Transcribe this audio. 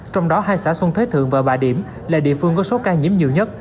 trong đó hai xã xuân thế thượng và bà điểm là địa phương có số ca nhiễm nhiều nhất